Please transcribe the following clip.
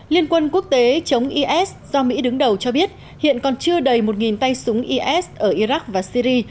liên quân quốc tế chống is do mỹ đứng đầu cho biết hiện còn chưa đầy một tay súng is ở iraq và syri